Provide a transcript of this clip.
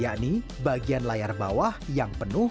yakni bagian layar bawah yang penuh